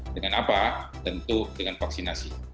dengan apa tentu dengan vaksinasi